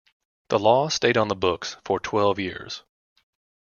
The law stayed on the books for twelve years.